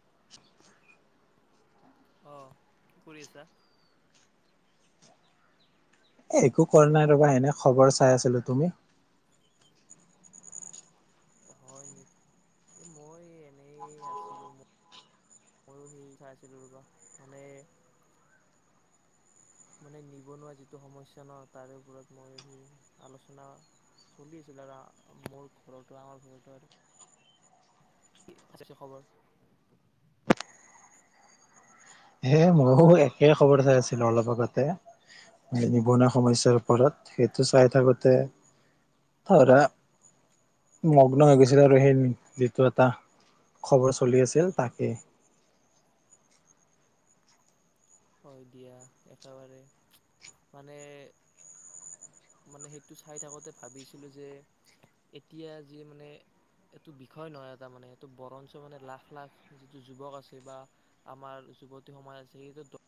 [unintelligible] আহ কি কৰি আছা এ একো কৰা নাই ৰবা এনে খবৰ চাই আছিলো তুমি হয় নেকি এ মই এনেই আছিলো ময়ো সেই চাইছিলো ৰবা মানে মানে নিবনুৱা যিটো সমস্যা ন তাৰে ওপৰত মই সি আলোচনা চলি আছিল আৰ মোৰ ঘৰতো আমাৰ ঘৰতো আৰু আচ্ছা আচ্ছা খবৰ হে ময়ো একে খবৰ চাই আছিলো অলপ আগতে নিবনুৱা সমস্যাৰ ওপৰত সেইটো চাই থাকোতে ধৰা মগ্ন হৈ গৈছিল আৰু সেই যিটো এটা খবৰ চলি আছিল তাকেই হয় দিয়া একেবাৰে মানে মানে সেইটো চাই থাকোতে ভাবিছিলো যে এতিয়া যি মানে এইটো বিষয় নহয় এটা মানে এইটো বৰঞ্চ মানে লাখ লাখ যিটো যুৱক আছে বা আমাৰ যুৱতী সমাজ আছে সেইটো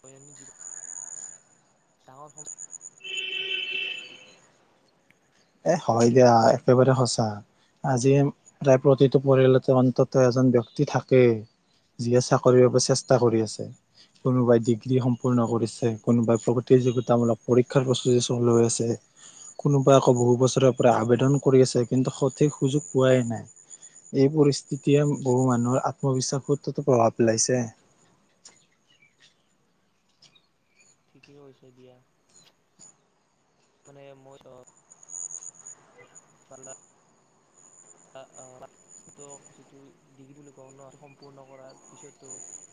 বয় নি জিভ ডাঙৰ সময়চ এ হয় দিয়া একেবাৰে সঁচা আজি প্ৰায় প্ৰতিটো পৰিয়ালতে অন্তত এজন ব্যক্তি থাকেই যিয়ে চাকৰিৰ বাবে চেষ্টা কৰি আছে কোনোবাই ডিগ্ৰী সম্পূৰ্ণ কৰিছে কোনোবাই প্ৰতিযোগিতামূলক পৰীক্ষাৰ প্ৰস্তুতি চলই আছে কোনোবাই আকৌ বহু বছৰ পৰা আবেদন কৰি আছে কিন্তু সঠিক সুযোগ পোৱাই নাই এই পৰিস্থিতিয়ে বহু মানুহৰ আত্মবিশ্বাসৰটোত প্ৰভাৱ পেলাইছে ঠিকেই হৈছে দিয়া মানে মই অ পিছতো যিটো ডিগ্ৰী বুলি কওঁ ন সম্পূৰ্ণ কৰাৰ পিছতো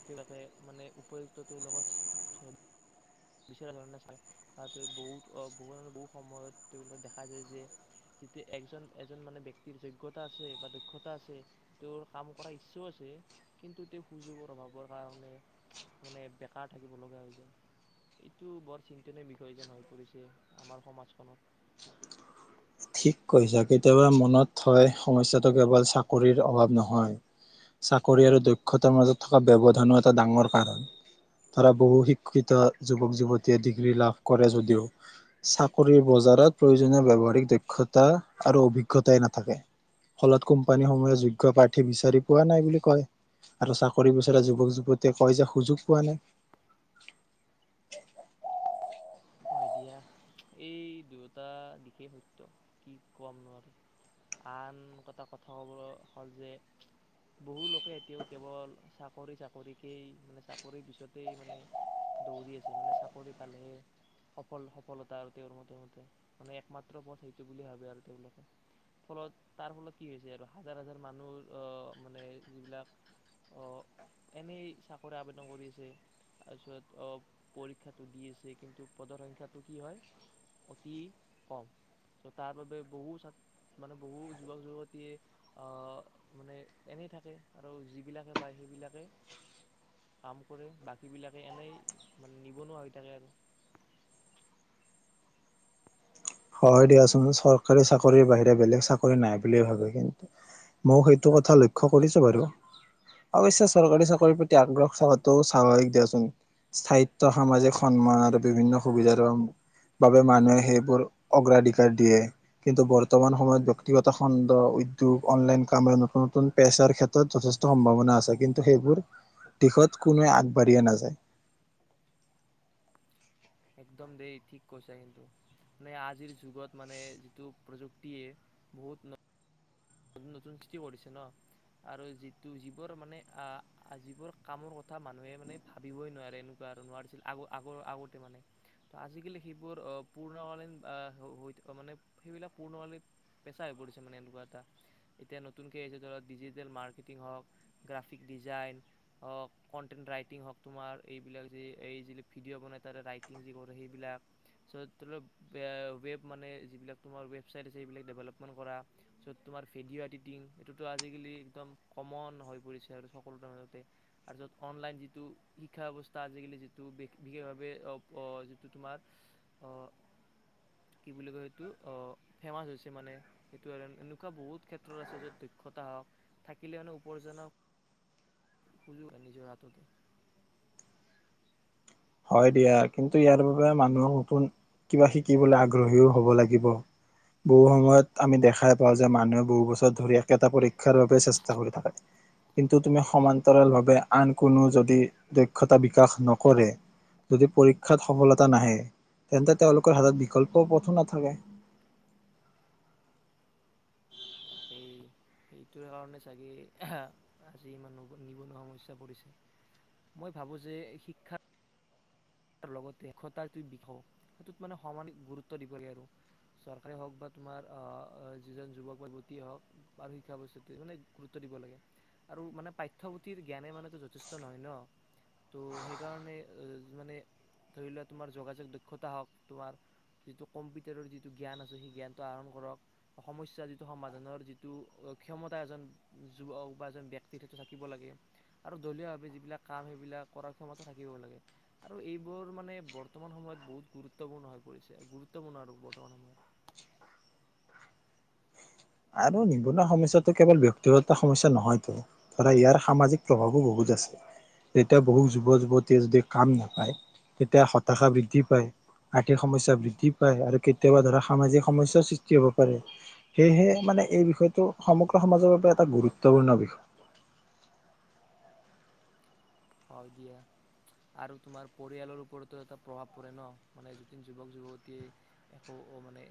তেওঁলোকে মানে উপযুক্ত তেওঁলোকৰ বিচৰা ধৰণে বহুত বহু বহুত সময়ত তেওঁলোক দেখা যায় যে যিটো একজন এজন মানে ব্যক্তিৰ যোগ্যতা আছে বা দক্ষতা আছে তেওঁৰ কাম কৰা ইচ্ছও আছে কিন্তু তেওঁ সুযোগৰ অভাৱৰ কাৰণে মানে বেকাৰ থাকিব লগা হৈ যায় এইটো বৰ চিন্তনীয় বিষয় যেন হৈ পৰিছে আমাৰ সমাজখনত ঠিক কৈছ কেতিয়াবা মনত হয় সমস্যাটো কেৱল চাকৰিৰ অভাৱ নহয় চাকৰি আৰু দক্ষতাৰ মাজত থকা ব্যবধানো এটা ডাঙৰ কাৰণ ধৰা বহু শিক্ষিত যুৱক যুৱতীয়ে ডিগ্ৰী লাভ কৰে যদিও চাকৰি বজাৰত প্ৰয়োজনীয় ব্যৱহাৰিক দক্ষ তা আৰু অভিজ্ঞতাই নাথাকে ফলত কোম্পানীসমূহে যোগ্য প্ৰাৰ্থী বিচাৰি পোৱা নাই বুলি কয় আৰু চাকৰি বিচৰা যুৱক যুৱতীয়ে কয় যে সুযোগ পোৱা নাই হয় দিয়া এই দুয়োটা দিশেই সত্য কি কম নোৱাৰো আন কটা কথা ক'ব হ'ল যে বহু লোকে এতিয়াও কেৱল চাকৰি চাকৰিকেই মানে চাকৰি পিছতেই মানে দৌৰি আছে মানে চাকৰি পালেহে সফল সফলতা আৰু তেওঁৰ মতে মতে মানে একমাত্ৰ পথ সেইটো বুলি ভাবে আৰু তেওঁলোকে ফলত তাৰ ফলত কি হৈছে আৰু হাজাৰ হাজাৰ মানুহ অহ মানে যিবিলাক অহ এনেই চাকৰি আবেদন কৰি আছে তাৰপিছত অহ পৰীক্ষাটো দি আছে পদৰ সংখ্যাটো কি হয় অতি কম চ' তাৰবাবে বহু ছাত মানে বহু যুৱক যুৱতীয়ে মানে এনেই থাকে আৰু যিবিলাকে পায় সেইবিলাকে কাম কৰে বাকীবিলাকে এনেই মানে নিবনুৱা হৈ থাকে আৰু হয় দিয়াচোন চৰকাৰী চাকৰিৰ বাহিৰে বেলেগ চাকৰি নাই বুল ভাবে কিন্তু মও সেইটো কথা লক্ষ্ কৰিছো বাৰু অবশ্যে চৰকাৰী চাকৰিৰ প্ৰতি আগ্ৰহ থকাটো স্বাভাৱিক দিয়াচোন স্থায়িত্ব সামাজিক সন্মান আৰু বিভিন্ন সুবিধাৰ বাবে মানুহে সেইবোৰ অগ্ৰাধিকাৰ দিয়ে কিন্তু বৰ্তমান সময়ত ব্যক্তিগত খণ্ড উদ্যোগ অনলাইন কামে নতুন নতুন পেচাৰ ক্ষেত্ৰত যথেষ্ট সম্ভাৱনা আছে কিন্তু সেইবোৰ দিশত কোনুৱে আগবাঢ়িয়েএ নাযায় একদম দেই ঠিক কৈছা কিন্তু মানে আজিৰ যুগত মানে যিটো প্ৰযুক্তিয়ে বহুত উন নতুন সৃষ্টি কৰিছে ন আৰু যিটো যিবোৰ মানে আ যিবোৰ কামৰ কথা মানুহে মানে ভাবিবই নোৱাৰে এনেকুৱা আৰু নোৱাৰিছিল আগ আগৰ আগতে মানে ত' আজিকালি সেইবোৰ পূৰ্ণকালীন আ হৈ থকা মানে সেইবিলাক পূৰ্ণকালীন পেছা হৈ পৰিছে মানে এনেকুৱা এটা এতিয়া নতুনকৈ আহিছে ধৰা ডিজিটেল মাৰ্কেটিং হওক গ্ৰাফিক ডিজাইন হওক কণ্টেণ্ট ৰাইটিং হওক তোমাৰ এইবিলাক য এই য ভিডিঅ' বনাই তাতে ৰাইটিং যি কৰে সেইবিলাক চ' ধৰক ৱেব মানে যিবিলাক তোমাৰ ৱেবচাইট আছে সেইবিলাক ডেভেলপমেণ্ট কৰা চ' তোমাৰ ভিডিঅ' এডিটিং সিটোতো আজিকালি একদম কমন হৈ পৰিছে আৰু সকলো তাৰ মাজতে আৰু য'ত অনলাইন যিটো শিক্ষা ব্যৱস্থা আজিকালি যিটো বিশেষভাৱে অ ক যিটো তোমাৰ অ কি বুলি কয় সেইটো অ ফেমাচ হৈছে মানে সেইটো আৰু এনেকুৱা বহুত ক্ষেত্ৰত আছে য'ত দক্ষতা হওক থাকিলে আৰু উপাৰ্জনৰ সুযোগ নিজৰ হাততে হয় দিয়া কিন্তু ইয়াৰ বাবে মানুহক নতুন কিবা শিকিবলৈ আগ্ৰহীও হব লাগিব বহু সময়ত আমি দেখাই কোৱা যে মানুহএ বহু বছৰ ধৰি একেটা পৰীক্ষা শিক্ষাৰ বাবে চেষ্টা কৰি থাকে কিন্তু তুমি সমান্তৰাল ভাৱে আন কোনো যদি দক্ষতা বিকাশ নকৰে যদি পৰীক্ষাত সফলতা নাহে তেন্তে তেওঁলোকৰ হাতত বিকল্প পথো নাথাকে সেইটো কাৰণে চাগে অঃহাঁ আজি মানুহ নিবনুৱা সমস্যাত পৰিছে মই ভাবো যে শিক্ষাত তাৰ লগতে [unintelligible] বিষও সেইটোত মানে সমানিক গুৰুত্ব দিব লাগে আৰু চৰকাৰে হওঁক বা তোমাৰ অ যিজন যুৱক বা যুৱতীয়ে হওক আৰু শিক্ষা ব্যৱস্থা মানে গুৰুত্ব দিব লাগে আৰু মানে পাঠ্য পুথিৰ জ্ঞানে মানেটো যথেষ্ট নহয় ন ত' সেইকাৰণে জ মানে ধৰি লোৱা তোমাৰ যোগাযোগ দক্ষতা হওক তোমাৰ যিটো কম্পিউটাৰৰ যিটো জ্ঞান আছে সেই জ্ঞানটো আহৰণ কৰক সমস্যা যিটো সমাধানৰ যিটো ক্ষমতা এজন যুৱক বা এজন ব্যক্তিৰ সেইটো থাকিব লাগে আৰু দলীয়ভাৱে যিবিলাক কাম সেইবিলাক কৰাৰ ক্ষমতা থাকিব লাগে আৰু এইবোৰ মানে বৰ্তমান সময়ত বহুত গুৰুত্বপূৰ্ণ হৈ পৰিছে গুৰুত্বপূৰ্ণ আৰু বৰ্তমান সময়ত আৰু নিবনুৱা সমস্যাটো কেৱল ব্যক্তিগত সমস্যা নহয়তো ধৰা ইয়াৰ সামাজিক প্ৰভাৱো বহুত আছে যেতিয়া বহুত যুৱ যুৱতীয়ে যদি কাম নাপায় তেতিয়া হতাশা বৃদ্ধি পায় আৰ্থিক সমস্যা বৃদ্ধি পায় আৰু কেতিয়াবা ধৰা সামাজিক সমস্যয়াৰ সৃষ্টি হব পাৰে সেয়েহে মানে এই বিষয়টো সমগ্ৰ সমাজৰ বাবে এটা গুৰুত্বপূৰ্ণ বিষয় হয় দিয়া আৰু তোমাৰ পৰিয়ালৰ ওপৰতো এটা প্ৰভাৱ পৰে ন মানে যদিন যুৱক যুৱতীয়ে একো মানে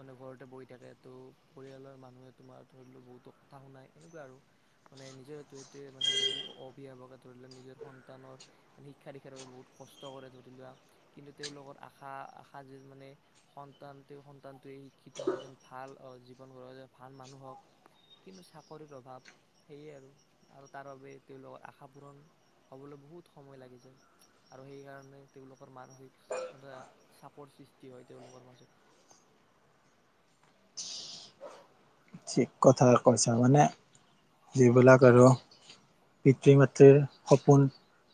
মানে ঘৰতে বহি থাকে ত পৰিয়ালৰ মানুহে তোমাৰ বহুতো কথা শুনাই এনেকুৱা আৰু মানে নিজৰ সেইটোৱে মানে বহু অভিভাৱক ধৰি লোৱা নিজৰ সন্তানৰ শিক্ষা দীক্ষাৰ বাবে বহুত কষ্ট কৰে ধৰি লোৱা কিন্তু তেওঁলোকৰ আশা আশা যে মানে ধৰি ল নিজৰ সন্তানৰ শিক্ষা দীক্ষা বাবে বহুত কষ্ট কৰে ধৰিবা কিন্তু তেওলোকৰ আশা এজন ভাল জীৱন গঢ় ভাল মানুহ হক কিন্তু চাকৰিৰ অভাৱ সেয়ে আৰু আৰু তাৰ বাবোবে তেওঁলোকৰ আশা আশা পূৰণ হ'বলৈ বহুত সময় লাগি যায় আৰু সেইকাৰণে তেওঁলোকৰ মানসিক এটা চাপৰ সৃষ্টি হয় তেওঁলোকৰ মাজত ঠিক কথা কৈছ মানে যিবিলাক আৰু পিতৃ মাতৃৰ সপোন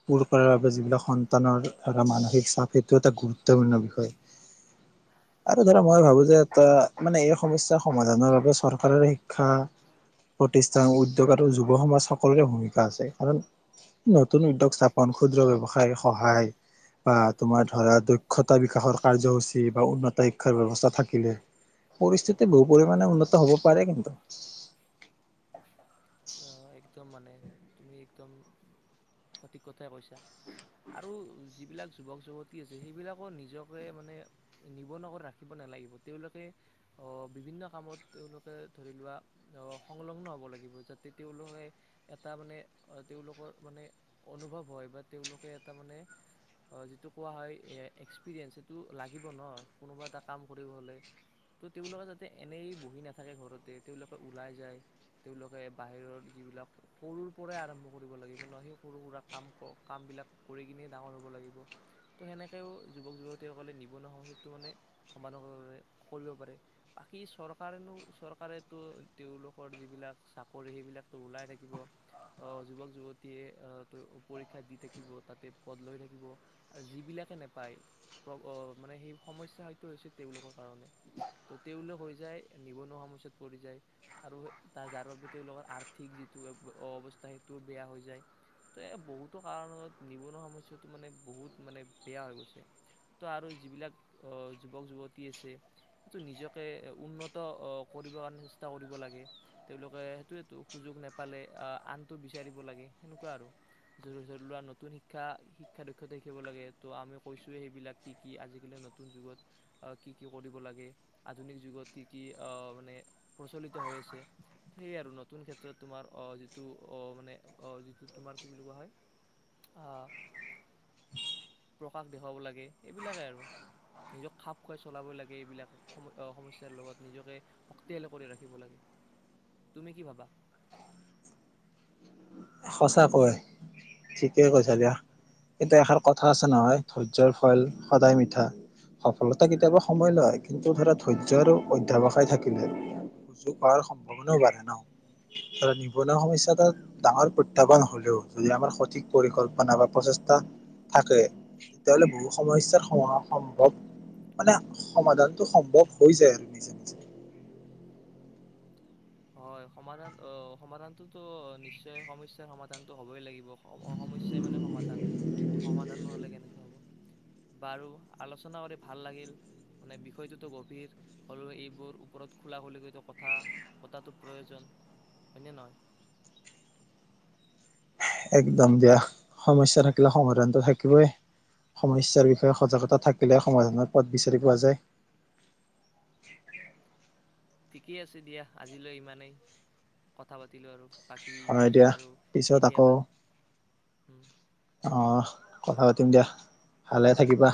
পূৰ কৰা বাবে যিবিলাক সন্তানৰ এটা মানসিক ইষ্টপিত্ত গুৰুত্বপূৰ্ণ বিষয় আৰু ধৰা মই ভাবো যে এটা মানে এই সমস্যাৰ সমাধানৰ বাবে চৰ চৰকাৰে শিক্ষা প্ৰতিষ্ঠান উদ্যোগ আৰু যুৱ সমাজ সকলোৰে ভূমিকা আছে কাৰণ নতুন উদ্যোগ স্থাপন ক্ষুদ্ৰ ব্যৱসায় সহায় বা তোমাৰ ধৰা দক্ষতা বিকাশৰ কাৰ্যসূচী বা উন্নত শিক্ষাৰ ব্যয়ৱস্থা থাকিলে পৰিস্থিতি বহু পৰিমণে উন্নত হ'ব [unintelligible] পাৰে কিন্তু আহ একদম মানে তুমি একদম সঠিক কথাই কৈছা আৰু যিবিলাক যুৱক যুৱতী আছে সেইবিলাকৰ নিজক লৈয়ে মানে নিবনুৱৈ ৰাখিব নালাগিব তেওঁলোকে আহ বিভিন্ন কামত তেওঁলোকে ধৰি লোৱা আহ সংলগ্ন হ'ব লাগিব যা তেওঁলোকে এটা মানে তেওঁলোকৰ মানে অনুভৱ হয় বা তেওঁলোকে এটা মানে যিটো কোৱা হয় এক্সপিৰিয়েঞ্চ সেইটো লাগিব ন কোনোবা এটা কাম কৰিব হ'লে ত' তেওঁলোকে যাতে এনেই বহি নাথাকে ঘৰতে তেওঁলোকে ওলাই যায় তেওঁলোকে বাহিৰৰ যিবিলাক সৰুৰ পৰাই আৰম্ভ কৰিব লাগিব ন সেই সৰু সুৰা কাম কামবিলাক কৰি কিনে ডাঙৰ হ'ব লাগিব তো সেনেকৈও যুৱক যুৱতীসকলে নিবনুৱা সমস্যাটো মানে সমাধান কৰিব পাৰে বাকী চৰকাৰেনো চৰকাৰেতো তেওঁলোকৰ যিবিলাক চ কৰি সেইবিলাকতো ওলাই থাকিব যুৱক যুৱতীয়ে ত পৰীক্ষা দি থাকিব তাতে পদ লৈ থাকিব আৰু যিবিলাকে নেপায় মানে সেই সমস্যা হয়তো হৈছে তেওঁলোকৰ কাৰণে ত' তেওঁলোক হৈ যায় নিবনুৱা সমসয়াত পৰি যায় আৰু যাৰ বাবে তেওঁলোকৰ আৰ্থিক যিটো অৱস্থা সেইটো বেয়া হৈ যায় তো বহুতো কাৰণত নিবনুৱা সমস্যাটো মানে বহুত মানে বেয়া হৈ গৈছে তো আৰু যিবিলাক যুৱক যুৱতী আছে সেইটো নিজকে উন্নত কৰিবৰ কাৰণে চেষ্টা কৰিব লাগে তেওঁলোকে এইটো সুযোগ নাপালে আনটো বিচাৰিব লাগে সেনেকুৱা আৰু ধৰি কোৱা নতুন শিক্ষা শিক্ষা দক্ষত ৰাখিব লাগে ত' আমি কৈছোঁৱে সেইবিলাক কি কি আজিকালি নতুন যুগত কি কি কৰিব লাগে আধুনিক যুগত কি কি মানে প্ৰচলিত হৈ আছে ত সেয় আৰু নতুন ক্ষেত্ৰত তোমাৰ আহ যিটো আহ মানে যিটো তোমাৰ কি বুলি কোৱা হয় আহ প্ৰকাশ দেখুৱাব লাগে এইবিলাকে আৰু নিজক খাপ খুৱাই চলাবই লাগে এইবিলাক সমস্য়াৰ লগত নিজকে শক্তিশালী কৰি ৰাখিব লাগে তুমি কি ভাব বা সঁচা কৈ, ঠিকে কৈছে দিয়া এতিয়া এষাৰ কথা আছে নহয় ধৈৰ্যয়ৰ ফল সদায় মিঠা সফলতা কেতিয়াবা সময় লয়, কিন্তু ধৰা ধৈৰ্যয় আৰু অধ্য়াৱসায় থাকিলে সুযোগ অৰ সম্ভাৱনাও বাঢ়ে ন। ধৰা নিবনুৱা সমস্যা এটা ডাঙৰ প্ৰতয়াহ্বান হলেও যদি আমাৰ সঠিক পৰিকল্পনা বা প্ৰচেষ্টা থাকে। তেতিয়া হলে বহু সমস্য়াৰ সময় সম্ভৱ মানে, সমাধানটো সম্ভৱ হৈ যায় আৰু নিজে নিজে। হয় সমাধান অ সমাধানটোতো নিশ্চয় সমস্যাৰ সমাধানটো হবই লাগিব। সমস্য়াই মানে সমাধান ত সমাধান নহলে কেনেকে হ'ব বাৰু আলোচনা কৰি ভাল লাগিল, মানে বিষয়টোতো গভীৰ হলেও এইবোৰ ওপৰত খোলা খুলি কৰি কথা। পতাটো প্ৰয়োজন। হয়নে নহয়? একদম বেয়া, সমস্যা থাকিলে সংশোধন থাকিবই সমস্যা বিষয়ে সজাগতা থাকিলে সমাধানৰ পথ বিচাৰি পোৱা যায়। ঠিকে আছে দিয়া, আজিলৈ ইমানেই কথা পাতিলো আৰু। বাকী হয় দিয়া পিছত আৰু পিছত আকৌ কেতিয়াবা আহ কথা পাতিম দিয়া, ভালে থাকিবা।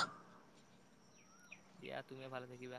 দিয়া তুমিও ভালে থাকিবা।